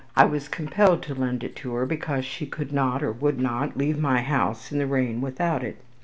I was compelled to lend it to her because she could not, or would not, leave my house in the rain without it.